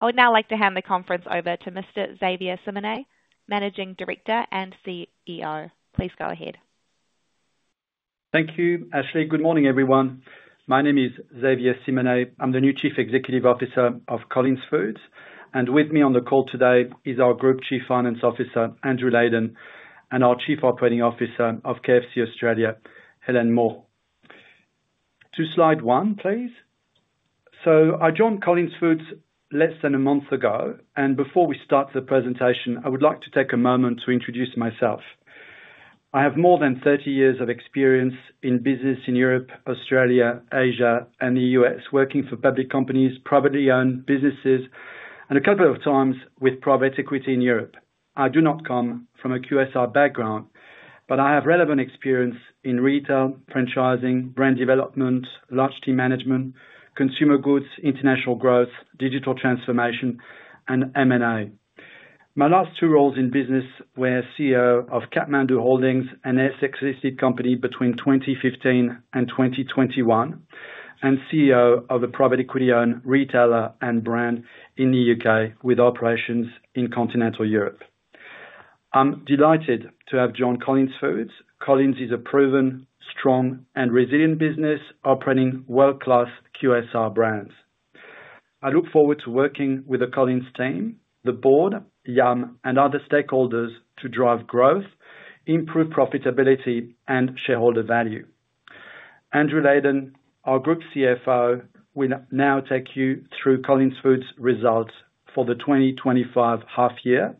I would now like to hand the conference over to Mr. Xavier Simonet, Managing Director and CEO. Please go ahead. Thank you, Ashley. Good morning, everyone. My name is Xavier Simonet. I'm the new Chief Executive Officer of Collins Foods, and with me on the call today is our Group Chief Financial Officer, Andrew Leyden, and our Chief Operating Officer of KFC Australia, Helen Moore. To slide one, please. So, I joined Collins Foods less than a month ago, and before we start the presentation, I would like to take a moment to introduce myself. I have more than 30 years of experience in business in Europe, Australia, Asia, and the U.S., working for public companies, privately owned businesses, and a couple of times with private equity in Europe. I do not come from a QSR background, but I have relevant experience in retail, franchising, brand development, large team management, consumer goods, international growth, digital transformation, and M&A. My last two roles in business were CEO of Kathmandu Holdings, an ASX-listed company between 2015 and 2021, and CEO of a private equity-owned retailer and brand in the U.K. with operations in continental Europe. I'm delighted to have joined Collins Foods. Collins is a proven, strong, and resilient business operating world-class QSR brands. I look forward to working with the Collins team, the board, Yum!, and other stakeholders to drive growth, improve profitability, and shareholder value. Andrew Leyden, our Group CFO, will now take you through Collins Foods' results for the 2025 half-year,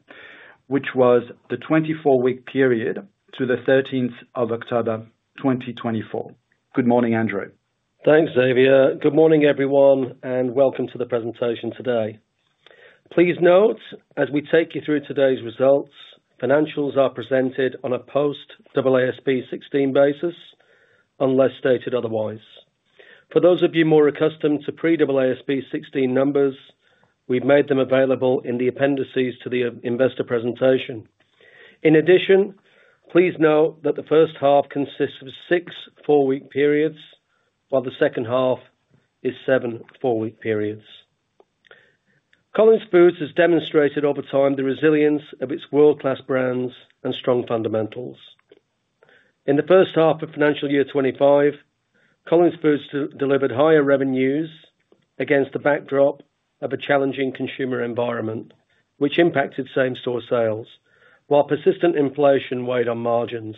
which was the 24-week period to the 13th of October, 2024. Good morning, Andrew. Thanks, Xavier. Good morning, everyone, and welcome to the presentation today. Please note, as we take you through today's results, financials are presented on a post AASB 16 basis, unless stated otherwise. For those of you more accustomed to pre AASB 16 numbers, we've made them available in the appendices to the investor presentation. In addition, please note that the first half consists of six four-week periods, while the second half is seven four-week periods. Collins Foods has demonstrated over time the resilience of its world-class brands and strong fundamentals. In the first half of financial year 2025, Collins Foods delivered higher revenues against the backdrop of a challenging consumer environment, which impacted same-store sales, while persistent inflation weighed on margins.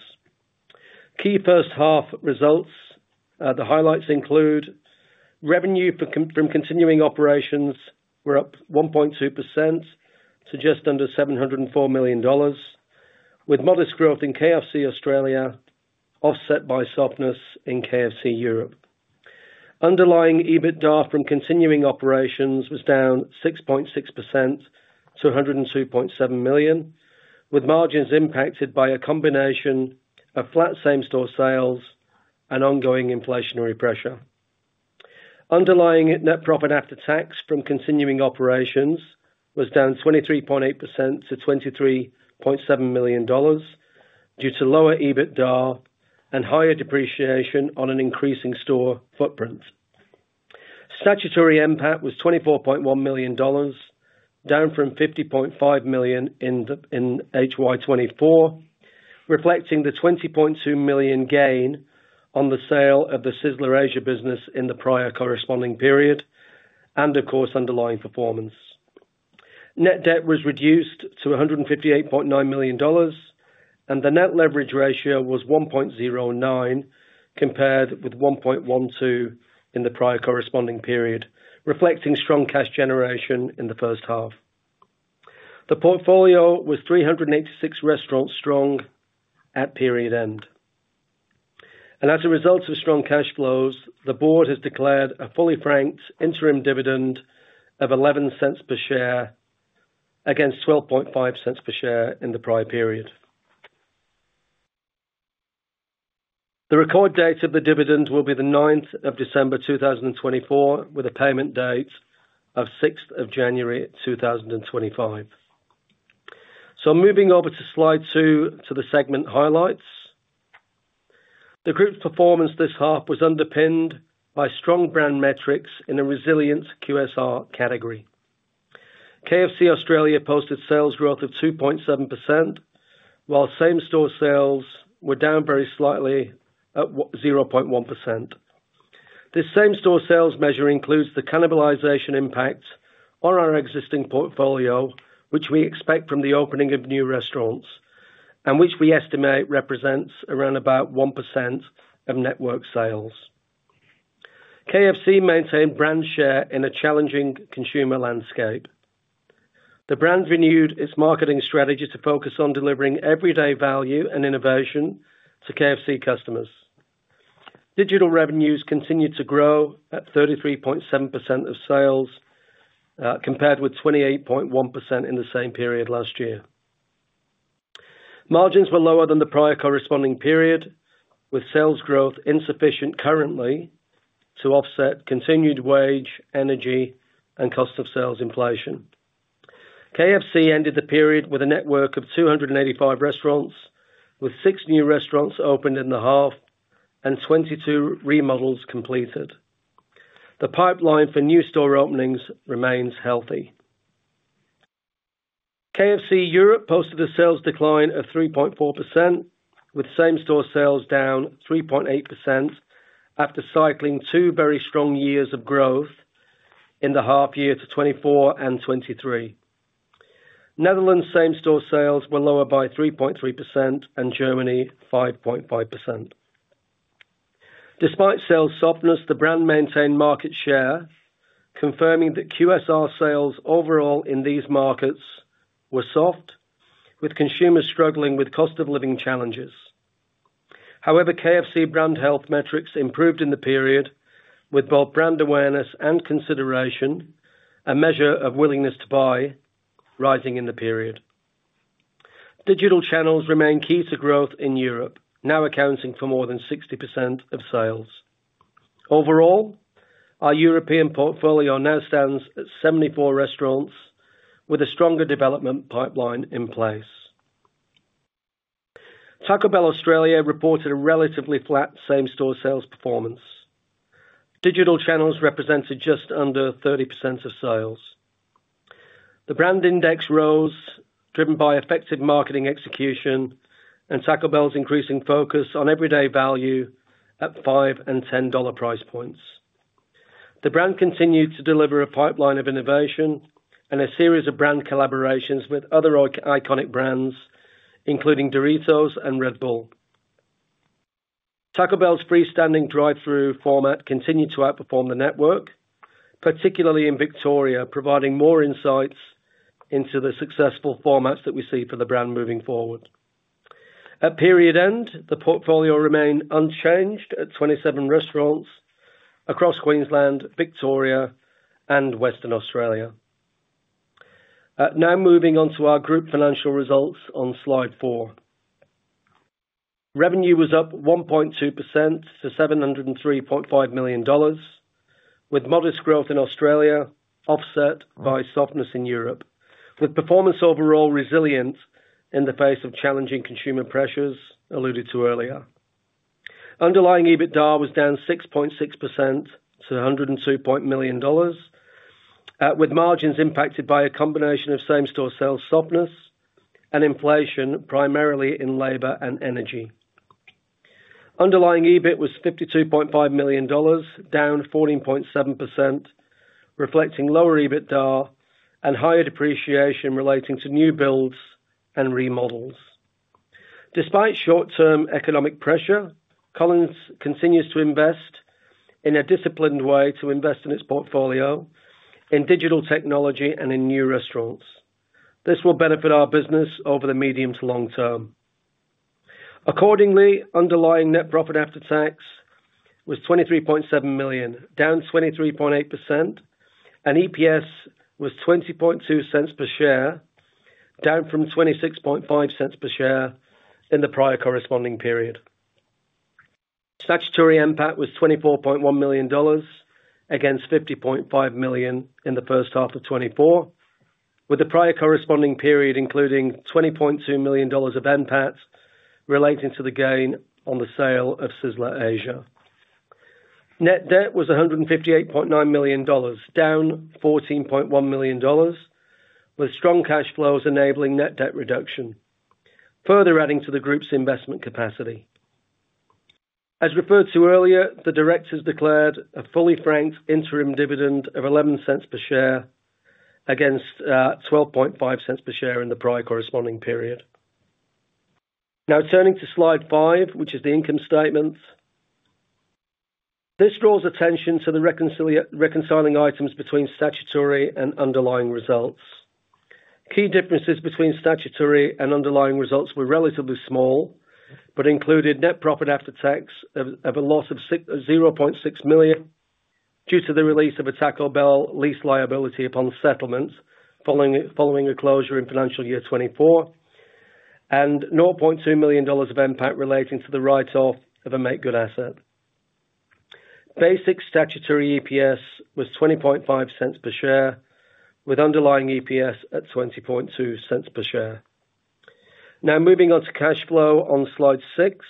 Key first-half results: the highlights include revenue from continuing operations were up 1.2% to just under 704 million dollars, with modest growth in KFC Australia, offset by softness in KFC Europe. Underlying EBITDA from continuing operations was down 6.6% to 102.7 million, with margins impacted by a combination of flat same-store sales and ongoing inflationary pressure. Underlying net profit after tax from continuing operations was down 23.8% to 23.7 million dollars due to lower EBITDA and higher depreciation on an increasing store footprint. Statutory impact was 24.1 million dollars, down from 50.5 million in HY 2024, reflecting the 20.2 million gain on the sale of the Sizzler Asia business in the prior corresponding period, and, of course, underlying performance. Net debt was reduced to 158.9 million dollars, and the net leverage ratio was 1.09, compared with 1.12 in the prior corresponding period, reflecting strong cash generation in the first half. The portfolio was 386 restaurants strong at period end. As a result of strong cash flows, the board has declared a fully franked interim dividend of 0.11 per share against 12.5 cents per share in the prior period. The record date of the dividend will be the 9th of December 2024, with a payment date of 6th of January 2025. Moving over to slide two, to the segment highlights. The group's performance this half was underpinned by strong brand metrics in a resilient QSR category. KFC Australia posted sales growth of 2.7%, while same-store sales were down very slightly at 0.1%. This same-store sales measure includes the cannibalization impact on our existing portfolio, which we expect from the opening of new restaurants, and which we estimate represents around about 1% of network sales. KFC maintained brand share in a challenging consumer landscape. The brand renewed its marketing strategy to focus on delivering everyday value and innovation to KFC customers. Digital revenues continued to grow at 33.7% of sales, compared with 28.1% in the same period last year. Margins were lower than the prior corresponding period, with sales growth insufficient currently to offset continued wage, energy, and cost of sales inflation. KFC ended the period with a network of 285 restaurants, with six new restaurants opened in the half and 22 remodels completed. The pipeline for new store openings remains healthy. KFC Europe posted a sales decline of 3.4%, with same-store sales down 3.8% after cycling two very strong years of growth in the half year 2024 and 2023. Netherlands' same-store sales were lower by 3.3%, and Germany 5.5%. Despite sales softness, the brand maintained market share, confirming that QSR sales overall in these markets were soft, with consumers struggling with cost-of-living challenges. However, KFC brand health metrics improved in the period, with both brand awareness and consideration, a measure of willingness to buy, rising in the period. Digital channels remain key to growth in Europe, now accounting for more than 60% of sales. Overall, our European portfolio now stands at 74 restaurants, with a stronger development pipeline in place. Taco Bell Australia reported a relatively flat same-store sales performance. Digital channels represented just under 30% of sales. The BrandIndex rose, driven by effective marketing execution and Taco Bell's increasing focus on everyday value at $5 and $10 price points. The brand continued to deliver a pipeline of innovation and a series of brand collaborations with other iconic brands, including Doritos and Red Bull. Taco Bell's freestanding drive-through format continued to outperform the network, particularly in Victoria, providing more insights into the successful formats that we see for the brand moving forward. At period end, the portfolio remained unchanged at 27 restaurants across Queensland, Victoria, and Western Australia. Now moving on to our group financial results on slide four. Revenue was up 1.2% to 703.5 million dollars, with modest growth in Australia, offset by softness in Europe, with performance overall resilient in the face of challenging consumer pressures alluded to earlier. Underlying EBITDA was down 6.6% to 102.1 million dollars, with margins impacted by a combination of same-store sales softness and inflation, primarily in labor and energy. Underlying EBIT was 52.5 million dollars, down 14.7%, reflecting lower EBITDA and higher depreciation relating to new builds and remodels. Despite short-term economic pressure, Collins continues to invest in a disciplined way in its portfolio, in digital technology, and in new restaurants. This will benefit our business over the medium to long term. Accordingly, underlying net profit after tax was 23.7 million, down 23.8%, and EPS was 0.22 per share, down from 0.26 per share in the prior corresponding period. Statutory impact was 24.1 million dollars against 50.5 million in the first half of 2024, with the prior corresponding period including 20.2 million dollars of impact relating to the gain on the sale of Sizzler Asia. Net debt was 158.9 million dollars, down 14.1 million dollars, with strong cash flows enabling net debt reduction, further adding to the group's investment capacity. As referred to earlier, the directors declared a fully franked interim dividend of 0.11 per share against 12.50 per share in the prior corresponding period. Now turning to slide five, which is the income statements. This draws attention to the reconciling items between statutory and underlying results. Key differences between statutory and underlying results were relatively small but included net profit after tax of a loss of 0.6 million due to the release of a Taco Bell lease liability upon settlement following a closure in financial year 2024, and 0.2 million dollars of impact relating to the write-off of a make-good asset. Basic statutory EPS was 0.25 per share, with underlying EPS at 0.22 per share. Now moving on to cash flow on slide six.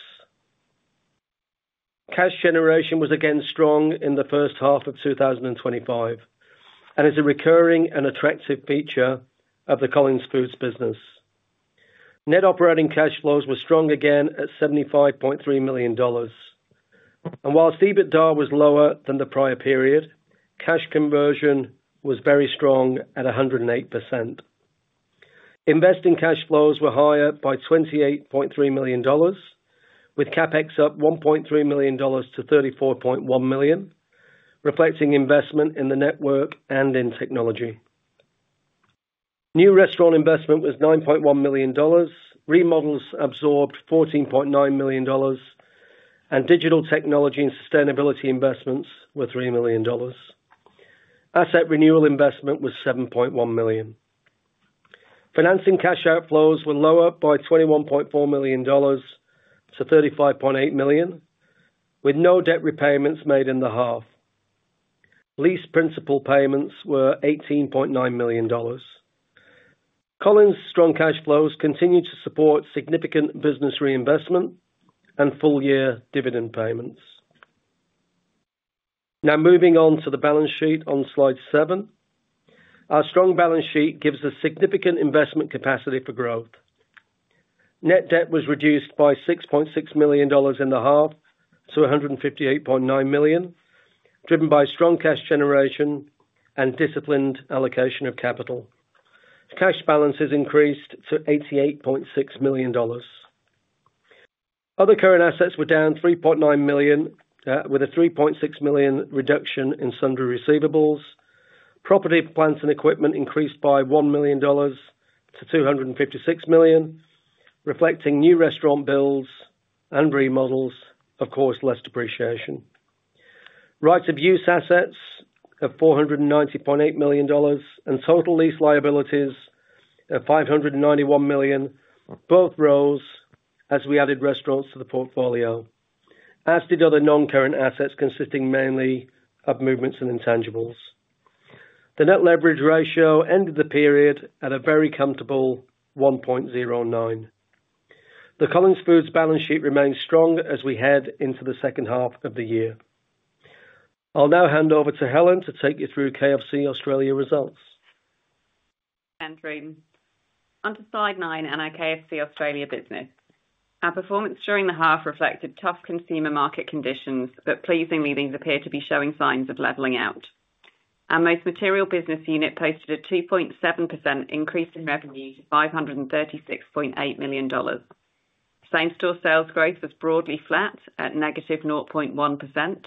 Cash generation was again strong in the first half of 2025, and it's a recurring and attractive feature of the Collins Foods business. Net operating cash flows were strong again at 75.3 million dollars. And whilst EBITDA was lower than the prior period, cash conversion was very strong at 108%. Investing cash flows were higher by 28.3 million dollars, with CapEx up 1.3 million dollars to 34.1 million, reflecting investment in the network and in technology. New restaurant investment was 9.1 million dollars. Remodels absorbed 14.9 million dollars, and digital technology and sustainability investments were 3 million dollars. Asset renewal investment was 7.1 million. Financing cash outflows were lower by 21.4 million dollars to 35.8 million, with no debt repayments made in the half. Lease principal payments were 18.9 million dollars. Collins' strong cash flows continue to support significant business reinvestment and full-year dividend payments. Now moving on to the balance sheet on slide seven. Our strong balance sheet gives a significant investment capacity for growth. Net debt was reduced by 6.6 million dollars in the half to 158.9 million, driven by strong cash generation and disciplined allocation of capital. Cash balance has increased to 88.6 million dollars. Other current assets were down 3.9 million, with a 3.6 million reduction in sundry receivables. Property, plant, and equipment increased by 1 million dollars to 256 million, reflecting new restaurant builds and remodels, of course, less depreciation. Right-of-use assets of 490.8 million dollars and total lease liabilities of 591 million, both rose as we added restaurants to the portfolio, as did other non-current assets consisting mainly of movements in intangibles. The Net Leverage Ratio ended the period at a very comfortable 1.09. The Collins Foods balance sheet remains strong as we head into the second half of the year. I'll now hand over to Helen to take you through KFC Australia results. Thanks Andrew, onto slide nine and our KFC Australia business. Our performance during the half reflected tough consumer market conditions, but pleasingly these appear to be showing signs of leveling out. Our most material business unit posted a 2.7% increase in revenue to 536.8 million dollars. Same-store sales growth was broadly flat at negative 0.1%,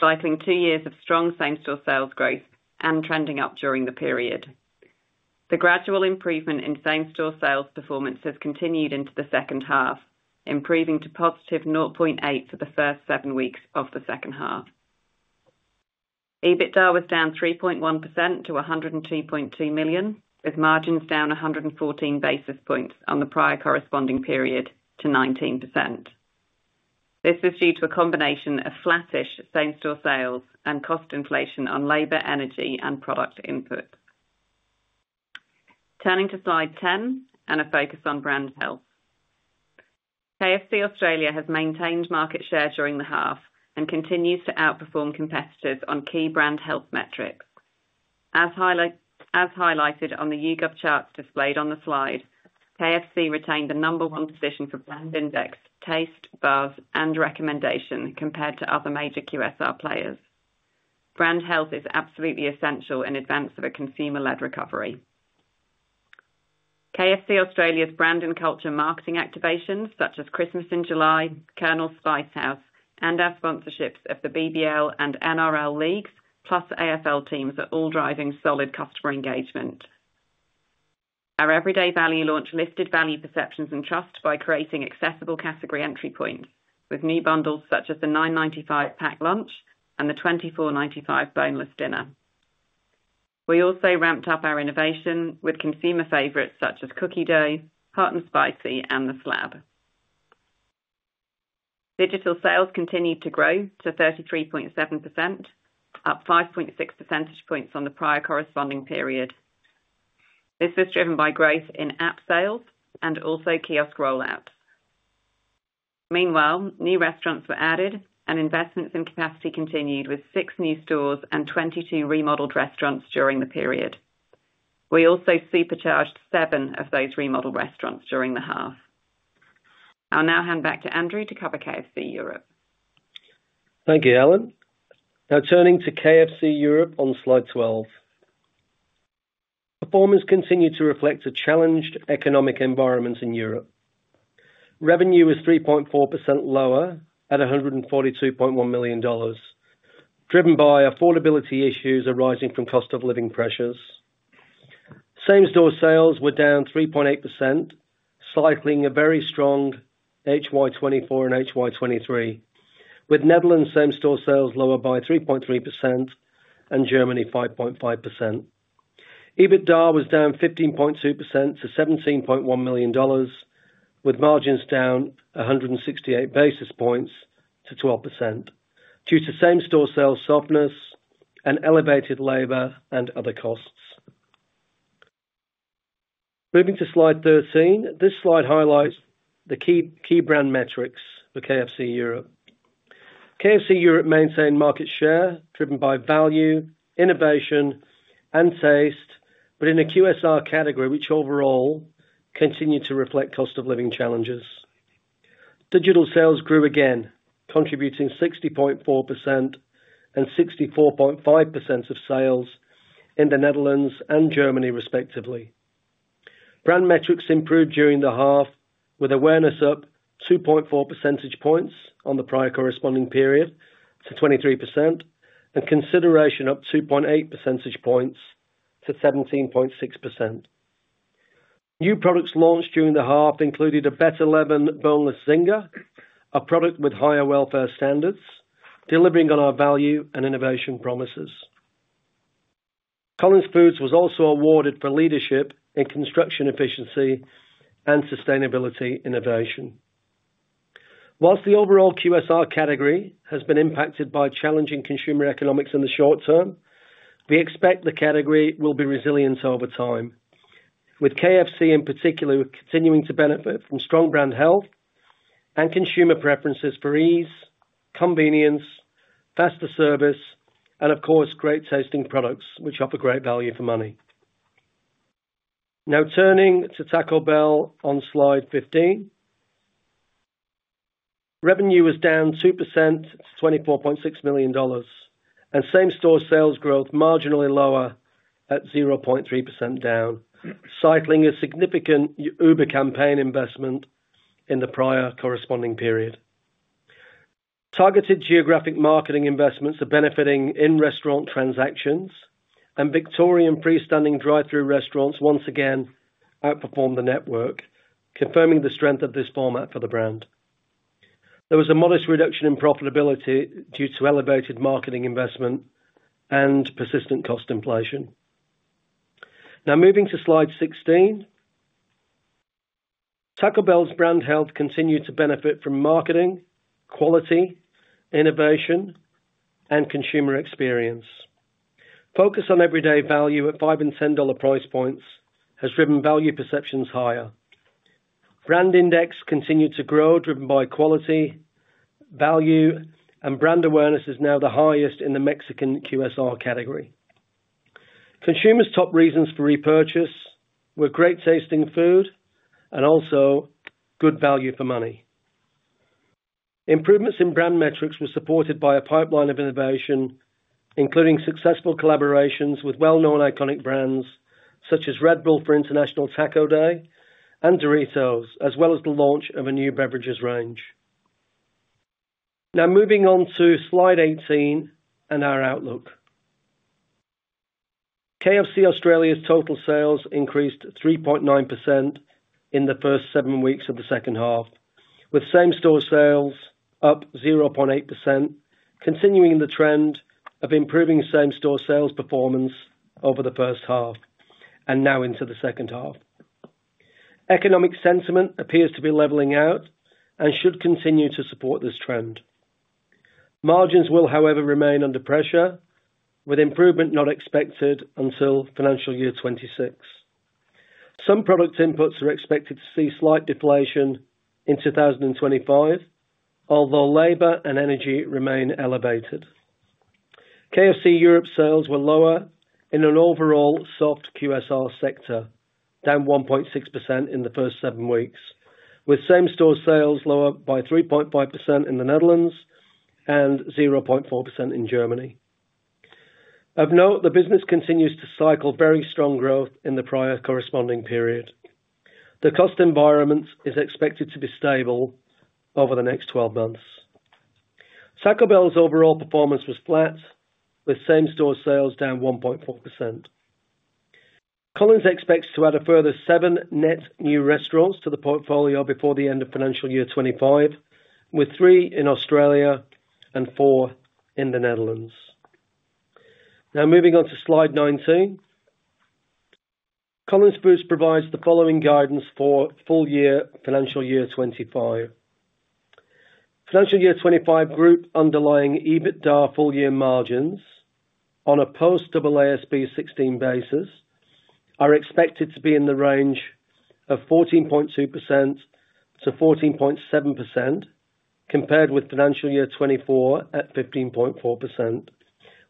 cycling two years of strong same-store sales growth and trending up during the period. The gradual improvement in same-store sales performance has continued into the second half, improving to +0.8% for the first seven weeks of the second half. EBITDA was down 3.1% to 102.2 million, with margins down 114 basis points on the prior corresponding period to 19%. This is due to a combination of flattish same-store sales and cost inflation on labor, energy, and product input. Turning to slide ten and a focus on brand health. KFC Australia has maintained market share during the half and continues to outperform competitors on key brand health metrics. As highlighted on the YouGov charts displayed on the slide, KFC retained the number one position for BrandIndex, taste, buzz, and recommendation compared to other major QSR players. Brand health is absolutely essential in advance of a consumer-led recovery. KFC Australia's brand and culture marketing activations, such as Christmas in July, Colonel's Spice House, and our sponsorships of the BBL and NRL leagues, plus AFL teams, are all driving solid customer engagement. Our everyday value launch lifted value perceptions and trust by creating accessible category entry points with new bundles such as the 9.95 pack lunch and the 24.95 boneless dinner. We also ramped up our innovation with consumer favorites such as Cookie Dough, Hot and Spicy, and The Slab. Digital sales continued to grow to 33.7%, up 5.6 percentage points on the prior corresponding period. This was driven by growth in app sales and also kiosk rollouts. Meanwhile, new restaurants were added and investments in capacity continued with six new stores and 22 remodeled restaurants during the period. We also supercharged seven of those remodeled restaurants during the half. I'll now hand back to Andrew to cover KFC Europe. Thank you, Helen. Now turning to KFC Europe on slide twelve. Performance continued to reflect a challenged economic environment in Europe. Revenue was 3.4% lower at 142.1 million dollars, driven by affordability issues arising from cost-of-living pressures. Same-store sales were down 3.8%, cycling a very strong HY 2024 and HY 2023, with Netherlands' same-store sales lower by 3.3% and Germany 5.5%. EBITDA was down 15.2% to 17.1 million dollars, with margins down 168 basis points to 12% due to same-store sales softness and elevated labor and other costs. Moving to slide thirteen, this slide highlights the key brand metrics for KFC Europe. KFC Europe maintained market share driven by value, innovation, and taste, but in a QSR category which overall continued to reflect cost-of-living challenges. Digital sales grew again, contributing 60.4% and 64.5% of sales in the Netherlands and Germany, respectively. Brand metrics improved during the half, with awareness up 2.4 percentage points on the prior corresponding period to 23% and consideration up 2.8 percentage points to 17.6%. New products launched during the half included a Beter Leven Boneless Zinger, a product with higher welfare standards, delivering on our value and innovation promises. Collins Foods was also awarded for leadership in construction efficiency and sustainability innovation. While the overall QSR category has been impacted by challenging consumer economics in the short term, we expect the category will be resilient over time, with KFC in particular continuing to benefit from strong brand health and consumer preferences for ease, convenience, faster service, and of course, great tasting products which offer great value for money. Now turning to Taco Bell on slide 15, revenue was down 2% to 24.6 million dollars and same-store sales growth marginally lower at 0.3% down, cycling a significant Uber campaign investment in the prior corresponding period. Targeted geographic marketing investments are benefiting in restaurant transactions, and Victorian freestanding drive-through restaurants once again outperformed the network, confirming the strength of this format for the brand. There was a modest reduction in profitability due to elevated marketing investment and persistent cost inflation. Now moving to slide 16, Taco Bell's brand health continued to benefit from marketing, quality, innovation, and consumer experience. Focus on everyday value at 5 and 10 dollar price points has driven value perceptions higher. BrandIndex continued to grow, driven by quality, value, and brand awareness, is now the highest in the Mexican QSR category. Consumers' top reasons for repurchase were great tasting food and also good value for money. Improvements in brand metrics were supported by a pipeline of innovation, including successful collaborations with well-known iconic brands such as Red Bull for International Taco Day and Doritos, as well as the launch of a new beverages range. Now moving on to slide eighteen and our outlook. KFC Australia's total sales increased 3.9% in the first seven weeks of the second half, with same-store sales up 0.8%, continuing the trend of improving same-store sales performance over the first half and now into the second half. Economic sentiment appears to be leveling out and should continue to support this trend. Margins will, however, remain under pressure, with improvement not expected until financial year twenty-six. Some product inputs are expected to see slight deflation in 2025, although labor and energy remain elevated. KFC Europe sales were lower in an overall soft QSR sector, down 1.6% in the first seven weeks, with same-store sales lower by 3.5% in the Netherlands and 0.4% in Germany. Of note, the business continues to cycle very strong growth in the prior corresponding period. The cost environment is expected to be stable over the next twelve months. Taco Bell's overall performance was flat, with same-store sales down 1.4%. Collins expects to add a further seven net new restaurants to the portfolio before the end of financial year 2025, with three in Australia and four in the Netherlands. Now moving on to slide nineteen, Collins Foods provides the following guidance for full-year financial year 2025. Financial year 2025 group underlying EBITDA full-year margins on a post-AASB 16 basis are expected to be in the range of 14.2%-14.7%, compared with financial year 2024 at 15.4%,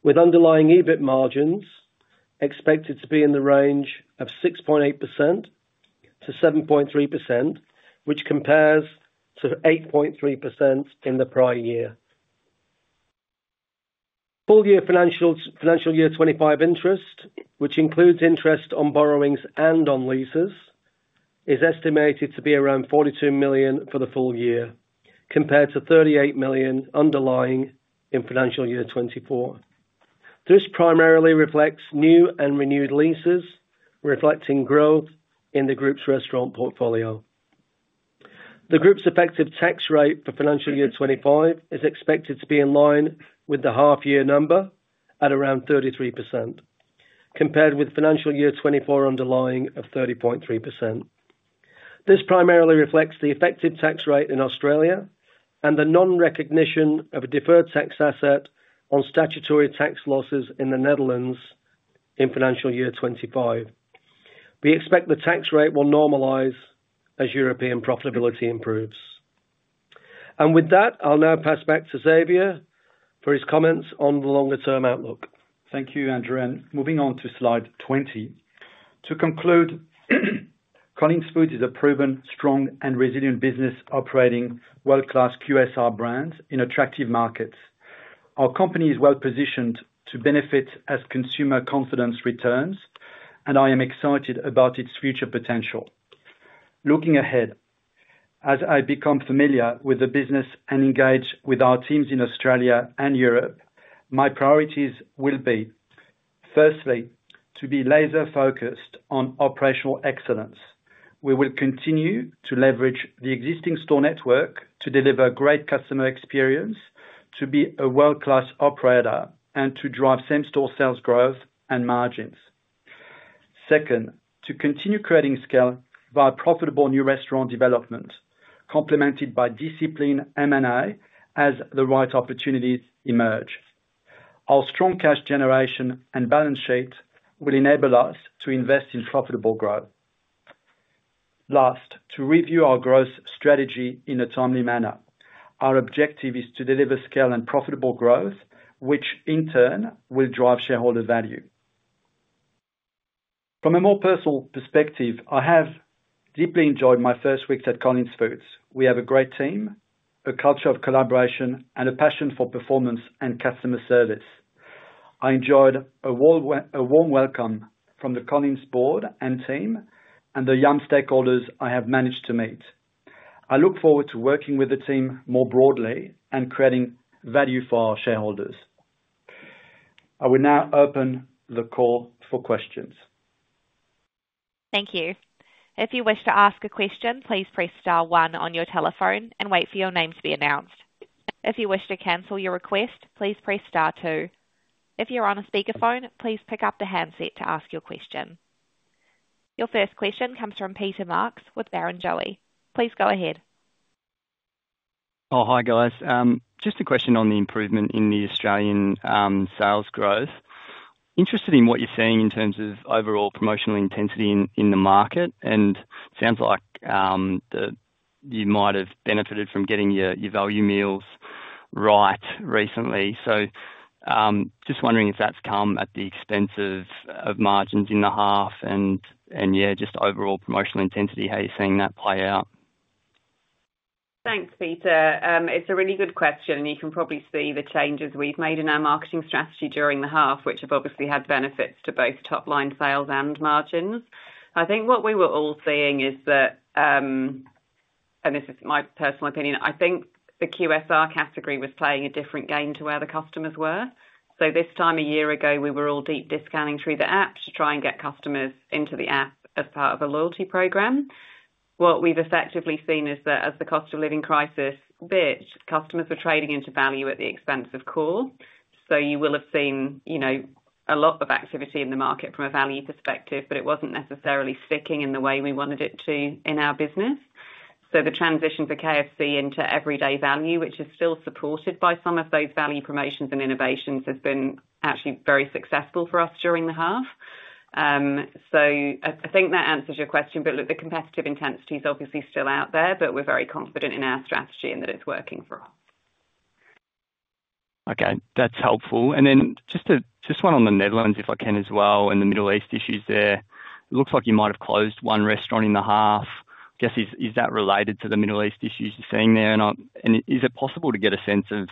with underlying EBIT margins expected to be in the range of 6.8%-7.3%, which compares to 8.3% in the prior year. Full-year financial year 2025 interest, which includes interest on borrowings and on leases, is estimated to be around 42 million for the full year, compared to 38 million underlying in financial year 2024. This primarily reflects new and renewed leases, reflecting growth in the group's restaurant portfolio. The group's effective tax rate for financial year 2025 is expected to be in line with the half-year number at around 33%, compared with financial year 2024 underlying of 30.3%. This primarily reflects the effective tax rate in Australia and the non-recognition of a deferred tax asset on statutory tax losses in the Netherlands in financial year 2025. We expect the tax rate will normalize as European profitability improves, and with that, I'll now pass back to Xavier for his comments on the longer-term outlook. Thank you, Andrew, and moving on to slide 20. To conclude, Collins Foods is a proven, strong, and resilient business operating world-class QSR brands in attractive markets. Our company is well-positioned to benefit as consumer confidence returns, and I am excited about its future potential. Looking ahead, as I become familiar with the business and engage with our teams in Australia and Europe, my priorities will be, firstly, to be laser-focused on operational excellence. We will continue to leverage the existing store network to deliver great customer experience, to be a world-class operator, and to drive same-store sales growth and margins. Second, to continue creating scale via profitable new restaurant development, complemented by discipline and M&A as the right opportunities emerge. Our strong cash generation and balance sheet will enable us to invest in profitable growth. Last, to review our growth strategy in a timely manner. Our objective is to deliver scale and profitable growth, which in turn will drive shareholder value. From a more personal perspective, I have deeply enjoyed my first week at Collins Foods. We have a great team, a culture of collaboration, and a passion for performance and customer service. I enjoyed a warm welcome from the Collins board and team and the Yum! stakeholders I have managed to meet. I look forward to working with the team more broadly and creating value for our shareholders. I will now open the call for questions. Thank you. If you wish to ask a question, please press star one on your telephone and wait for your name to be announced. If you wish to cancel your request, please press star two. If you're on a speakerphone, please pick up the handset to ask your question. Your first question comes from Peter Marks with Barrenjoey. Please go ahead. Oh, hi, guys. Just a question on the improvement in the Australian sales growth. Interested in what you're seeing in terms of overall promotional intensity in the market, and it sounds like you might have benefited from getting your value meals right recently. So just wondering if that's come at the expense of margins in the half and, yeah, just overall promotional intensity, how you're seeing that play out. Thanks, Peter. It's a really good question, and you can probably see the changes we've made in our marketing strategy during the half, which have obviously had benefits to both top-line sales and margins. I think what we were all seeing is that, and this is my personal opinion, I think the QSR category was playing a different game to where the customers were. So this time, a year ago, we were all deep discounting through the app to try and get customers into the app as part of a loyalty program. What we've effectively seen is that as the cost-of-living crisis hits, customers were trading into value at the expense of core. So you will have seen a lot of activity in the market from a value perspective, but it wasn't necessarily sticking in the way we wanted it to in our business. So the transition for KFC into everyday value, which is still supported by some of those value promotions and innovations, has been actually very successful for us during the half. So I think that answers your question, but the competitive intensity is obviously still out there, but we're very confident in our strategy and that it's working for us. Okay. That's helpful. And then just one on the Netherlands, if I can as well, and the mild issues there. It looks like you might have closed one restaurant in the half. I guess, is that related to the mild issues you're seeing there? Is it possible to get a sense of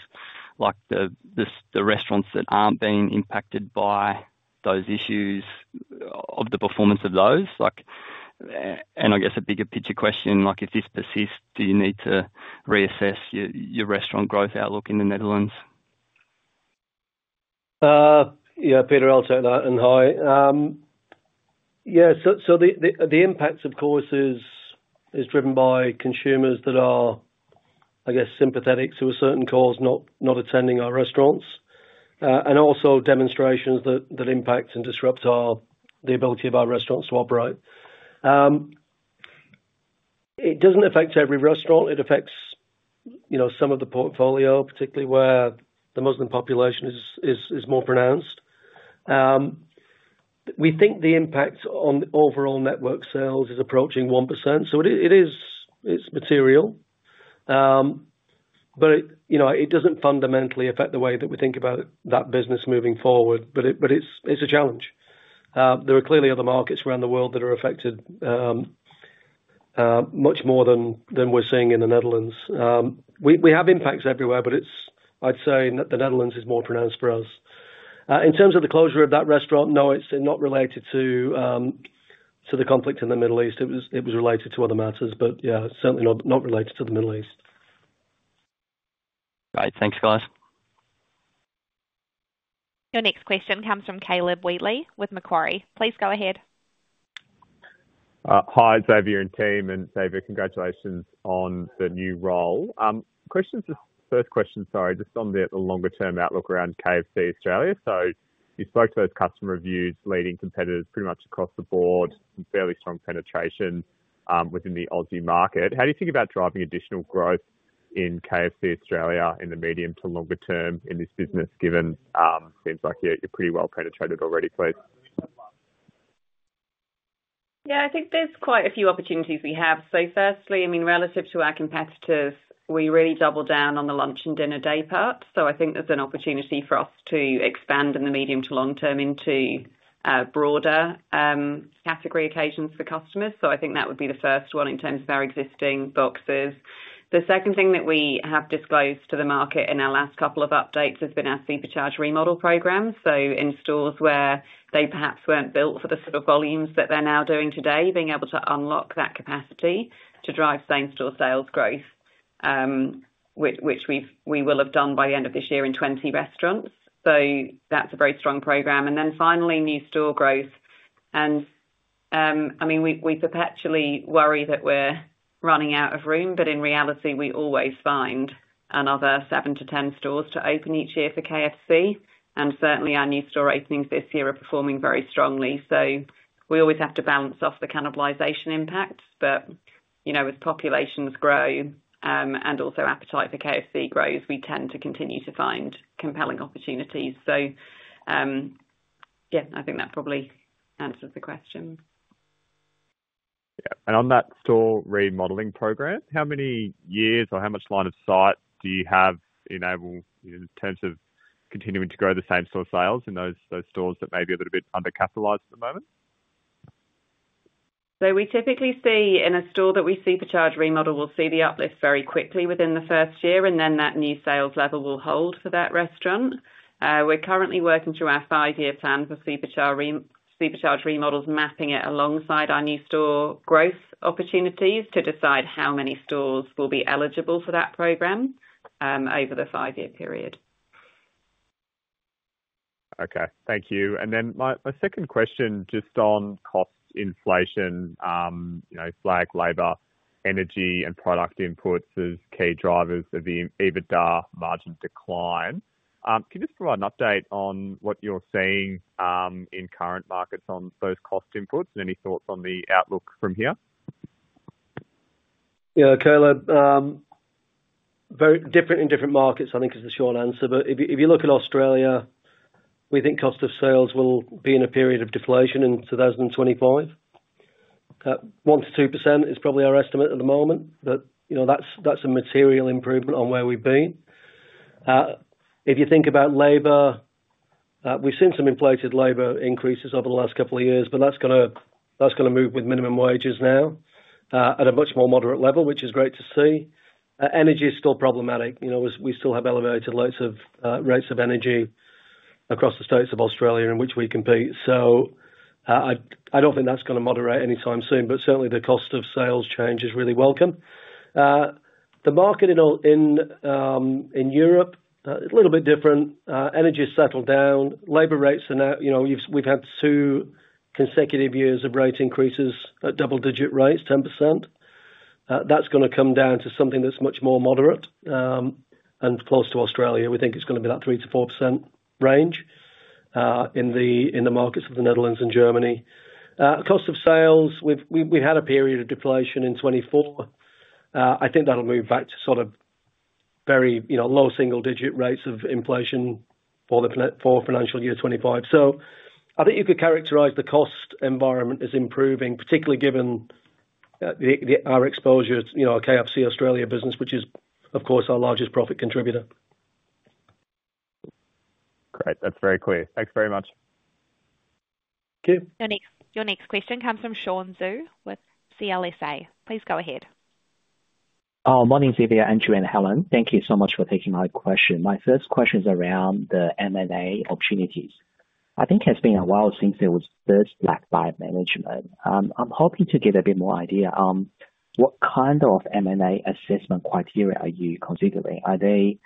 the restaurants that aren't being impacted by those issues of the performance of those? I guess a bigger picture question, if this persists, do you need to reassess your restaurant growth outlook in the Netherlands? Yeah, Peter, I'll take that. And hi. Yeah. So the impact, of course, is driven by consumers that are, I guess, sympathetic to a certain cause, not attending our restaurants, and also demonstrations that impact and disrupt the ability of our restaurants to operate. It doesn't affect every restaurant. It affects some of the portfolio, particularly where the Muslim population is more pronounced. We think the impact on overall network sales is approaching 1%. So it is material, but it doesn't fundamentally affect the way that we think about that business moving forward. But it's a challenge. There are clearly other markets around the world that are affected much more than we're seeing in the Netherlands. We have impacts everywhere, but I'd say that the Netherlands is more pronounced for us. In terms of the closure of that restaurant, no, it's not related to the conflict in the Middle East. It was related to other matters, but yeah, certainly not related to the Middle East. Right. Thanks, guys. Your next question comes from Caleb Wheatley with Macquarie. Please go ahead. Hi, Xavier and team. And Xavier, congratulations on the new role. First question, sorry, just on the longer-term outlook around KFC Australia. So you spoke to those customer reviews, leading competitors pretty much across the board, fairly strong penetration within the Aussie market. How do you think about driving additional growth in KFC Australia in the medium to longer term in this business, given it seems like you're pretty well penetrated already, please? Yeah, I think there's quite a few opportunities we have. So firstly, I mean, relative to our competitors, we really doubled down on the lunch and dinner day part. So I think there's an opportunity for us to expand in the medium to long term into broader category occasions for customers. So I think that would be the first one in terms of our existing boxes. The second thing that we have disclosed to the market in our last couple of updates has been our Supercharged remodel program. So in stores where they perhaps weren't built for the sort of volumes that they're now doing today, being able to unlock that capacity to drive same-store sales growth, which we will have done by the end of this year in 20 restaurants. So that's a very strong program. And then finally, new store growth. And I mean, we perpetually worry that we're running out of room, but in reality, we always find another 7-10 stores to open each year for KFC. And certainly, our new store openings this year are performing very strongly. So we always have to balance off the cannibalization impacts. But as populations grow and also appetite for KFC grows, we tend to continue to find compelling opportunities. So yeah, I think that probably answers the question. Yeah. And on that store remodeling program, how many years or how much line of sight do you have in terms of continuing to grow the same-store sales in those stores that may be a little bit undercapitalized at the moment? So we typically see in a store that we Supercharged remodel, we'll see the uplift very quickly within the first year, and then that new sales level will hold for that restaurant. We're currently working through our five-year plan for Supercharged remodels, mapping it alongside our new store growth opportunities to decide how many stores will be eligible for that program over the five-year period. Okay. Thank you. And then my second question just on cost inflation, food, labor, energy, and product inputs as key drivers of the EBITDA margin decline. Can you just provide an update on what you're seeing in current markets on those cost inputs and any thoughts on the outlook from here? Yeah, Caleb, different in different markets, I think, is the short answer. But if you look at Australia, we think cost of sales will be in a period of deflation into 2025. 1%-2% is probably our estimate at the moment, but that's a material improvement on where we've been. If you think about labor, we've seen some inflated labor increases over the last couple of years, but that's going to move with minimum wages now at a much more moderate level, which is great to see. Energy is still problematic. We still have elevated rates of energy across the states of Australia in which we compete. So I don't think that's going to moderate anytime soon, but certainly, the cost of sales change is really welcome. The market in Europe is a little bit different. Energy has settled down. Labor rates are now. We've had two consecutive years of rate increases, double-digit rates, 10%. That's going to come down to something that's much more moderate and close to Australia. We think it's going to be that 3%-4% range in the markets of the Netherlands and Germany. Cost of sales. We've had a period of deflation in 2024. I think that'll move back to sort of very low single-digit rates of inflation for financial year 2025. So I think you could characterize the cost environment as improving, particularly given our exposure to KFC Australia business, which is, of course, our largest profit contributor. Great. That's very clear. Thanks very much. Thank you. Your next question comes from Sean Xu with CLSA. Please go ahead. Thanks, Xavier, Andrew, and Helen. Thank you so much for taking my question. My first question is around the M&A opportunities. I think it has been a while since it was first backed by management. I'm hoping to get a bit more idea on what kind of M&A assessment criteria are you considering? Are they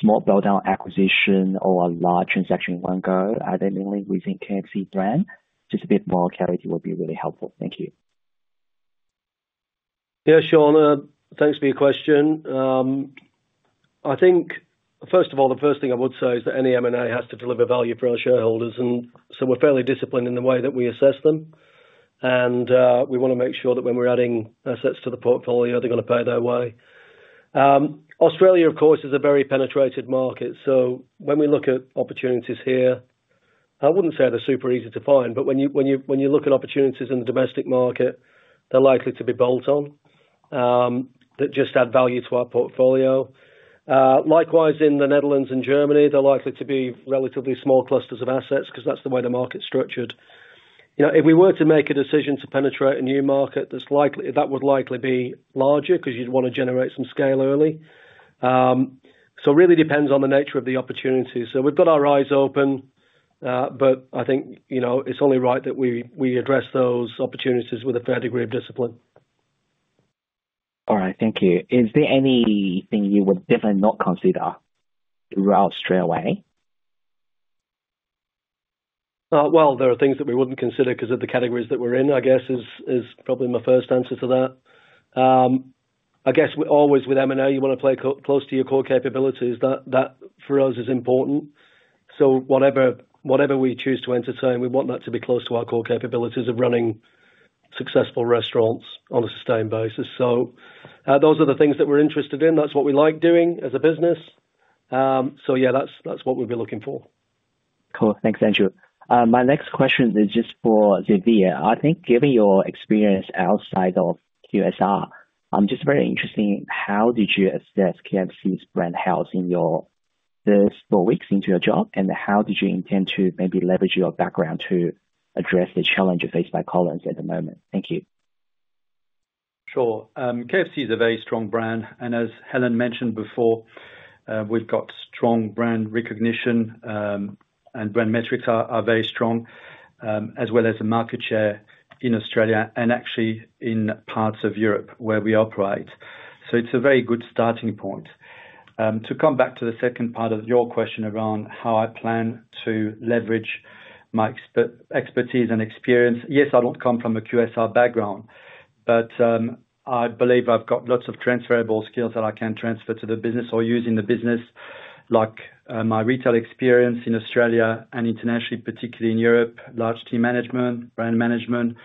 small build-out acquisition or a large transaction in one go? Are they mainly using KFC brand? Just a bit more clarity would be really helpful. Thank you. Yeah, Sean, thanks for your question. I think, first of all, the first thing I would say is that any M&A has to deliver value for our shareholders. And so we're fairly disciplined in the way that we assess them. And we want to make sure that when we're adding assets to the portfolio, they're going to pay their way. Australia, of course, is a very penetrated market. So when we look at opportunities here, I wouldn't say they're super easy to find, but when you look at opportunities in the domestic market, they're likely to be bolt-on that just add value to our portfolio. Likewise, in the Netherlands and Germany, they're likely to be relatively small clusters of assets because that's the way the market's structured. If we were to make a decision to penetrate a new market, that would likely be larger because you'd want to generate some scale early. So it really depends on the nature of the opportunity. So we've got our eyes open, but I think it's only right that we address those opportunities with a fair degree of discipline. All right. Thank you. Is there anything you would definitely not consider throughout Australia? Well, there are things that we wouldn't consider because of the categories that we're in, I guess, is probably my first answer to that. I guess always with M&A, you want to play close to your core capabilities. That for us is important. So whatever we choose to entertain, we want that to be close to our core capabilities of running successful restaurants on a sustained basis. So those are the things that we're interested in. That's what we like doing as a business. So yeah, that's what we'll be looking for. Cool. Thanks, Andrew. My next question is just for Xavier. I think given your experience outside of QSR, I'm just very interested in how did you assess KFC's brand health in your first four weeks into your job, and how did you intend to maybe leverage your background to address the challenge faced by Collins at the moment? Thank you. Sure. KFC is a very strong brand. And as Helen mentioned before, we've got strong brand recognition, and brand metrics are very strong, as well as the market share in Australia and actually in parts of Europe where we operate. So it's a very good starting point. To come back to the second part of your question around how I plan to leverage my expertise and experience, yes, I don't come from a QSR background, but I believe I've got lots of transferable skills that I can transfer to the business or use in the business, like my retail experience in Australia and internationally, particularly in Europe, large team management, brand management,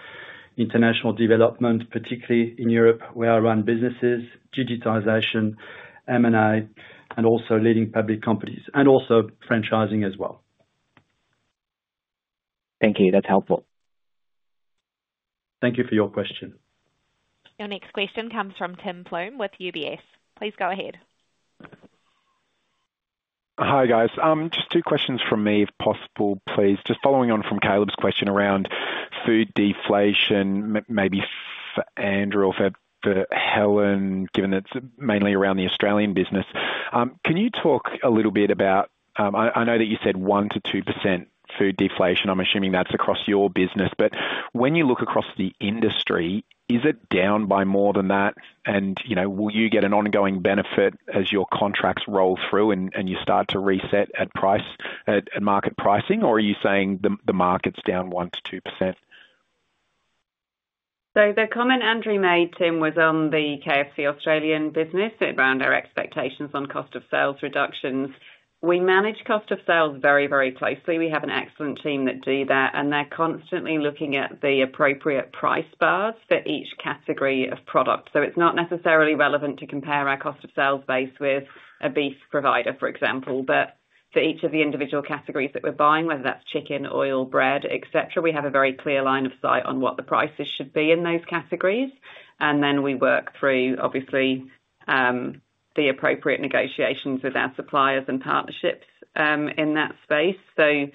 international development, particularly in Europe where I run businesses, digitization, M&A, and also leading public companies, and also franchising as well. Thank you. That's helpful. Thank you for your question. Your next question comes from Tim Plumbe with UBS. Please go ahead. Hi, guys. Just two questions from me, if possible, please. Just following on from Caleb's question around food deflation, maybe for Andrew or for Helen, given that it's mainly around the Australian business. Can you talk a little bit about. I know that you said 1%-2% food deflation. I'm assuming that's across your business. But when you look across the industry, is it down by more than that? And will you get an ongoing benefit as your contracts roll through and you start to reset at market pricing, or are you saying the market's down 1%-2%? So the comment Andrew made, Tim, was on the KFC Australian business around our expectations on cost of sales reductions. We manage cost of sales very, very closely. We have an excellent team that do that, and they're constantly looking at the appropriate price bars for each category of product. So it's not necessarily relevant to compare our cost of sales base with a beef provider, for example. But for each of the individual categories that we're buying, whether that's chicken, oil, bread, etc., we have a very clear line of sight on what the prices should be in those categories. And then we work through, obviously, the appropriate negotiations with our suppliers and partnerships in that space. So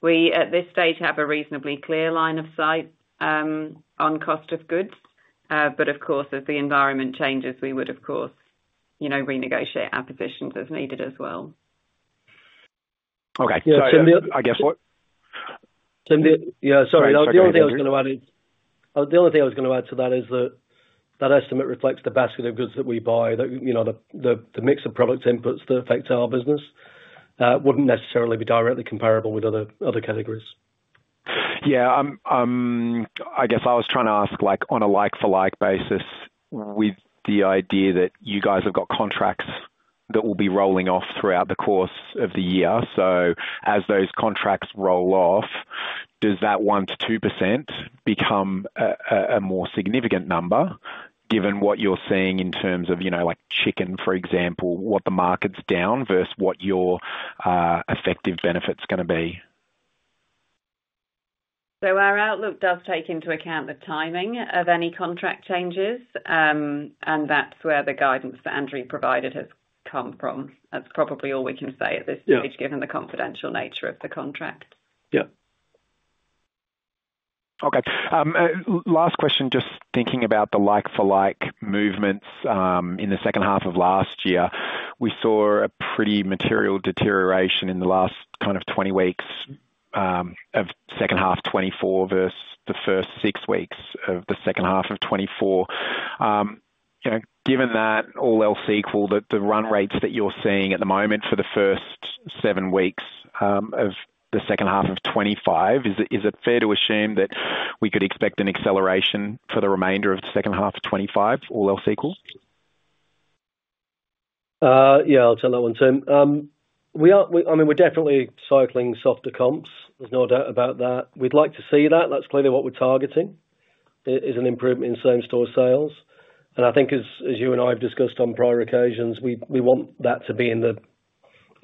we, at this stage, have a reasonably clear line of sight on cost of goods. But of course, as the environment changes, we would, of course, renegotiate our positions as needed as well. Okay. So I guess what? Yeah. Sorry. The only thing I was going to add to that is that that estimate reflects the basket of goods that we buy, the mix of product inputs that affect our business, wouldn't necessarily be directly comparable with other categories. Yeah. I guess I was trying to ask on a like-for-like basis with the idea that you guys have got contracts that will be rolling off throughout the course of the year. So as those contracts roll off, does that 1%-2% become a more significant number given what you're seeing in terms of chicken, for example, what the market's down versus what your effective benefit's going to be? So our outlook does take into account the timing of any contract changes, and that's where the guidance that Andrew provided has come from. That's probably all we can say at this stage, given the confidential nature of the contract. Yeah. Okay. Last question, just thinking about the like-for-like movements in the second half of last year, we saw a pretty material deterioration in the last kind of 20 weeks of second half 2024 versus the first six weeks of the second half of 2024. Given that all else equal, the run rates that you're seeing at the moment for the first seven weeks of the second half of 2025, is it fair to assume that we could expect an acceleration for the remainder of the second half of 2025, all else equal? Yeah. I'll tell that one, Tim. I mean, we're definitely cycling softer comps. There's no doubt about that. We'd like to see that. That's clearly what we're targeting, is an improvement in same-store sales. I think, as you and I have discussed on prior occasions, we want that to be in the